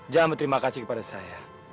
jangan berterima kasih kepada saya